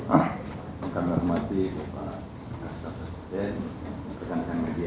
saya akan menghormati mbak rastafasidin mbak kandang magia